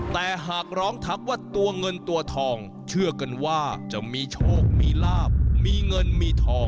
แต่หากร้องทักว่าตัวเงินตัวทองเชื่อกันว่าจะมีโชคมีลาบมีเงินมีทอง